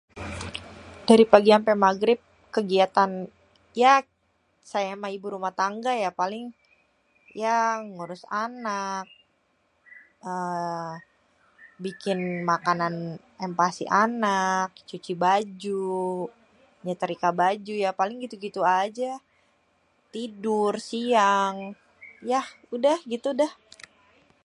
Dari pagi ampé maghrib, kegiatan ya saya mah ibu rumah tangga ya paling ya ngurus anak, eee, bikin makanan MPASI anak, cuci baju, nyetrika baju, ya paling gitu-gitu aja. Tidur siang. Yah udah, gitu dah.